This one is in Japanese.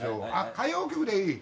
歌謡曲でいい？